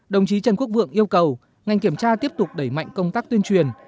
đồng chí trần quốc vượng yêu cầu ngành kiểm tra tiếp tục đẩy mạnh công tác tuyên truyền